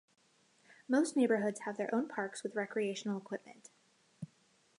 Most neighborhoods have their own parks with recreational equipment.